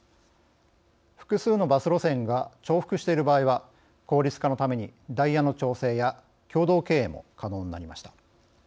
複数のバス路線が重複している場合は効率化のためにダイヤの調整や共同経営も可能になりました。